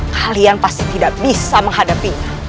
kalian pasti tidak bisa menghadapinya